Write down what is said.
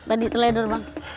tadi terleder bang